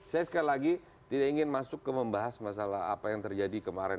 saya sekali lagi tidak ingin masuk ke membahas masalah apa yang terjadi kemarin